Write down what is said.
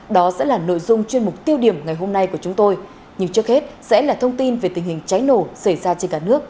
đó sẽ là nội dung chuyên mục tiêu điểm ngày hôm nay của chúng tôi nhưng trước hết sẽ là thông tin về tình hình cháy nổ xảy ra trên cả nước